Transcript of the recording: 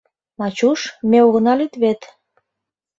Мачуш, ме огына лӱд вет?